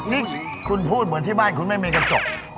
นี่คุณพูดเหมือนที่บ้านคุณไม่มีกระจก